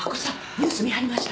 ニュース見はりました？